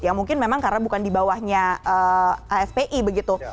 yang mungkin memang karena bukan di bawahnya afpi begitu